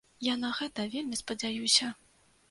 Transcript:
Я на гэта вельмі спадзяюся!